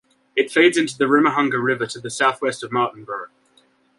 It feeds into the Ruamahanga River to the southwest of Martinborough.